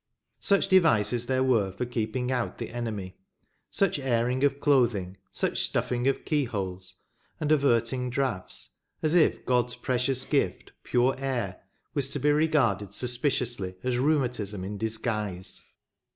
Such devices there were for keeping out the enemy, such airing of clothing, such stuffing of keyholes, and averting draughts, as if God's precious gift, pure air, was to be regarded suspiciously, as rheumatism in disguise